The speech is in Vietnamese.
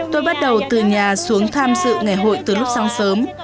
tôi bắt đầu từ nhà xuống tham dự ngày hội từ lúc sáng sớm